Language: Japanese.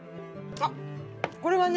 あっこれはね